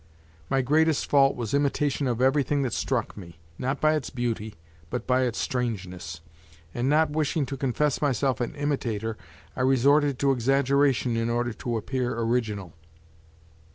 My greatest fault was imitation of everything that struck me, not by its beauty but by its strangeness, and not wishing to confess myself an imitator I resorted to exaggeration in order to appear original.